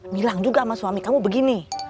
bilang juga sama suami kamu begini